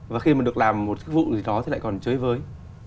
và khi mà được làm một cái vụ gì đó thì lại còn chơi với